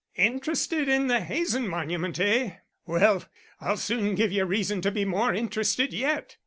"Interested in the Hazen monument, eh? Well, I'll soon give you reason to be more interested yet.